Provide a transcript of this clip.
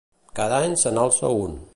Cada any se n'alça un.